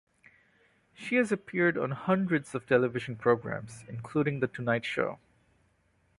She has appeared on hundreds of television programs including The Tonight Show.